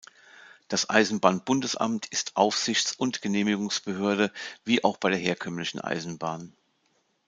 Das Eisenbahn-Bundesamt ist Aufsichts- und Genehmigungsbehörde, wie auch bei der herkömmlichen Eisenbahn.